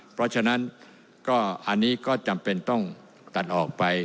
เพราะฉะนั้นก็อันนี้ก็จำเป็นต้องตัดออกไป